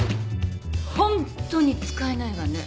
ホントに使えないわね